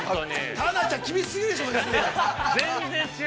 タナちゃん厳し過ぎるでしょう。